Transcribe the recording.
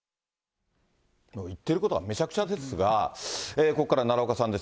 言ってることがめちゃくちゃですが、ここからは奈良岡さんです。